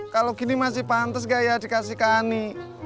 kalau gini masih pantes gak ya dikasih ke ani